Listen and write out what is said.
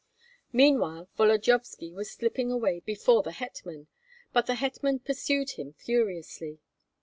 Meanwhile Volodyovski was slipping away before the hetman, but the hetman pursued him furiously.